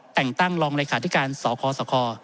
แต่งตั้งรองเลขาธิการสคสค